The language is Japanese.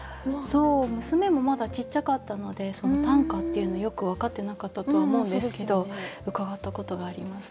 娘もまだちっちゃかったので短歌っていうのをよく分かってなかったとは思うんですけど伺ったことがあります。